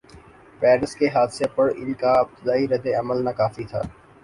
Paris کے حادثے پر ان کا ابتدائی رد عمل ناکافی تھا۔